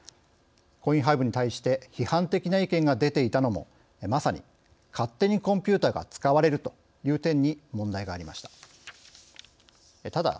コインハイブに対して批判的な意見が出ていたのもまさに、勝手にコンピューターが使われるという点に問題がありました。